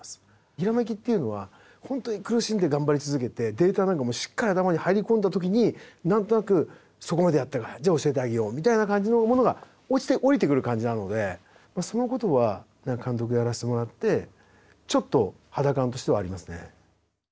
ひらめきっていうのは本当に苦しんで頑張り続けてデータなんかもしっかり頭に入り込んだ時に何となくそこまでやったかじゃあ教えてあげようみたいな感じのものが落ちて降りてくる感じなのでそのことは監督やらせてもらってちょっと肌感としてはありますね。